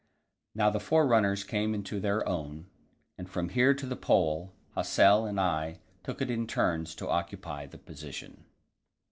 Now the forerunners came into their own, and from here to the Pole Hassel. and I took it in turns to occupy the position.